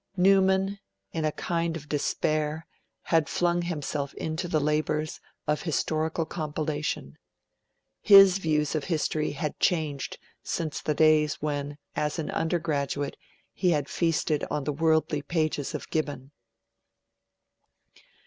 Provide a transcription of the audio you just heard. Newman, in a kind of despair, had flung himself into the labours of historical compilation. His views of history had changed since the days when, as an undergraduate, he had feasted on the worldly pages of Gibbon.